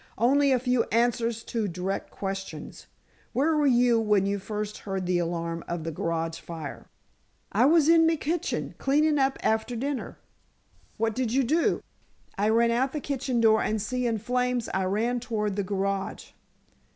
"Only a few answers to direct questions. Where were you when you first heard the alarm of the garage fire?" "I was in me kitchen, cleanin' up after dinner." "What did you do?" "I ran out the kitchen door and, seein' flames, I ran toward the garage."